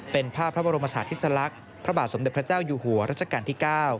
เป็นภาพพระบรมศาสติสลักษณ์พระบาทสมเด็จพระเจ้าอยู่หัวรัชกาลที่๙